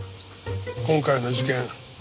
今回の事件